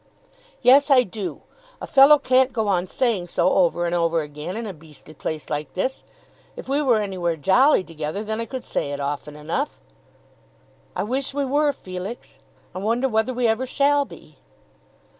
"Yes, I do. A fellow can't go on saying so over and over again in a beastly place like this. If we were anywhere jolly together, then I could say it often enough." "I wish we were, Felix. I wonder whether we ever shall be."